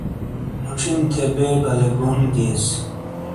موشین تھے بے بلے گون گییس۔